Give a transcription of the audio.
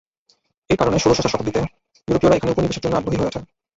এ কারনে ষোড়শ শতাব্দীতে ইউরোপীয়রা এখানে উপনিবেশের জন্য আগ্রহী হয়ে ওঠে।